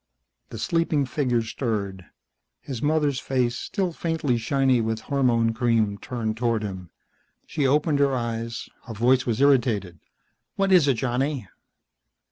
The sleeping figure stirred. His mother's face, still faintly shiny with hormone cream, turned toward him. She opened her eyes. Her voice was irritated. "What is it, Johnny?"